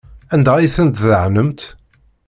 Anda ay ten-tdehnemt?